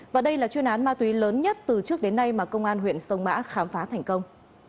và đây là chuyên án ma túy lớn nhất từ trước đến nay mà công an huyện sông mã khám phá thành công